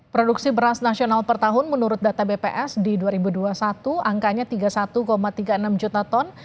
produksi beras nasional per tahun menurut data bps di dua ribu dua puluh satu angkanya tiga puluh satu tiga puluh enam juta ton